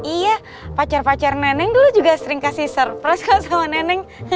iya pacar pacar neneng dulu juga sering kasih surprise kok sama neneng